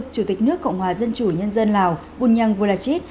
chủ tịch nước cộng hòa dân chủ nhân dân lào bùn nhân vô lạch chít